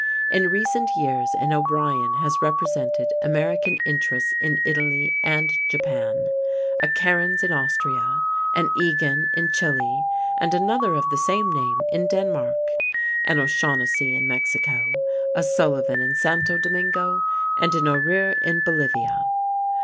In recent years, an O'Brien has represented American interests in Italy and Japan; a Kerens in Austria; an Egan in Chili and another of the same name in Denmark; an O'Shaughnessy in Mexico; a Sullivan in Santo Domingo; and an O'Rear in Bolivia.